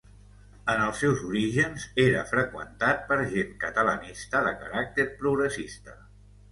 En els seus orígens era freqüentat per gent catalanista de caràcter progressista.